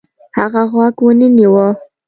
هغه غوږ ونه نیوه.